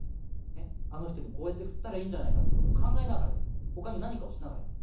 あの人にこうやってふったらいいんじゃないかってことを考えながらやる他に何かをしながらやる。